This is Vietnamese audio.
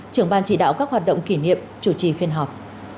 trưởng ban chỉ đạo các hoạt động kỷ niệm chủ trì phiên họp